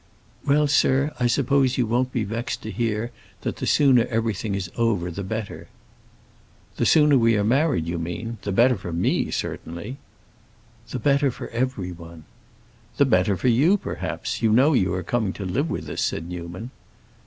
"Well, sir, I suppose you won't be vexed to hear that the sooner everything is over the better." "The sooner we are married, you mean? The better for me, certainly." "The better for everyone." "The better for you, perhaps. You know you are coming to live with us," said Newman.